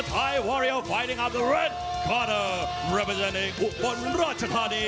ที่รัฐไทยอยู่ในอุปนราชธานี